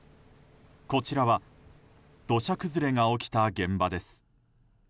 こちらは土砂崩れが起きた現場です。